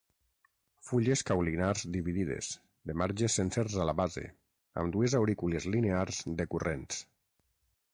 Fulles caulinars dividides, de marges sencers a la base, amb dues aurícules linears decurrents.